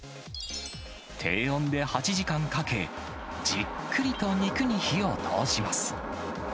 低温で８時間かけ、じっくりと肉に火を通します。